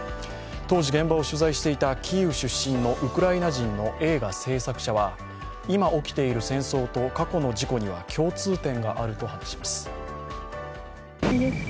当時、現場を取材していたキーウ出身のウクライナ人は今起きている戦争と過去の事故には共通点があると話します。